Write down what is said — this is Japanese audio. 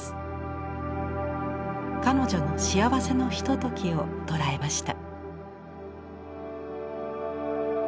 彼女の幸せのひとときを捉えました。